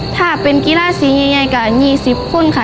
ถ้าเป็นกีฬาสีใหญ่กว่า๒๐คนค่ะ